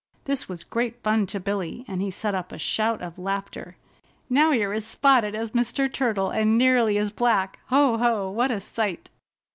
This was great fun to Billy, and he set up a shout of laughter. "Now you're as spotted as Mr. Turtle and nearly as black. Ho! Ho! What a sight!"